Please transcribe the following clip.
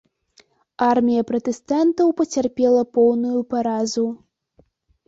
Армія пратэстантаў пацярпела поўную паразу.